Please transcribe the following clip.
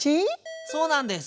そうなんです。